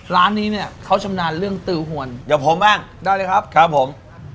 ร้านนี้เนี่ยเขาชำนาญเรื่องตือหวนเดี๋ยวผมบ้างได้เลยครับครับผม